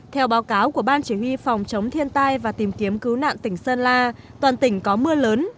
theo báo cáo của ban chỉ huy phòng chống thiên tai và tìm kiếm cứu nạn tỉnh sơn la toàn tỉnh có mưa lớn